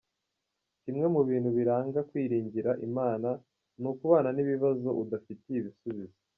Kimwe mu bintu biranga kwiringira Imana ni ukubana n’ibibazo udafitiye ibisubizo.